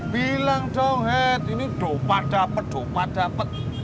bilang dong hei ini dopat dapet dopat dapet